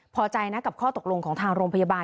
พอใจนะกับข้อตกลงของทางโรงพยาบาล